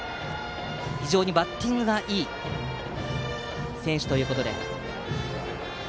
非常にバッティングがいい選手ということです。